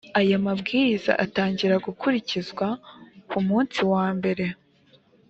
aya mabwiriza atangira gukurikizwa ku umunsi wa mbere